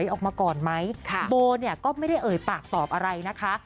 ออกมาก่อนไหมโบเนี่ยก็ไม่ได้เอ่ยปากตอบอะไรนะคะ